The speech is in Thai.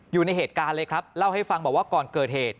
อยู่ในเหตุการณ์เลยครับเล่าให้ฟังบอกว่าก่อนเกิดเหตุ